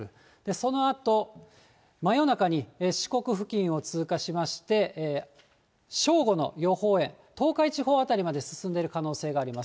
そのあと、真夜中に四国付近を通過しまして、正午の予報円、東海地方辺りまで進んでいる可能性があります。